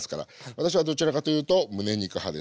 私はどちらかというとむね肉派です。